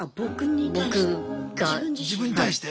自分に対して？